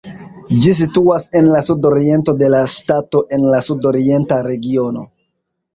Ĝi situas en la sudoriento de la ŝtato en la Sudorienta regiono.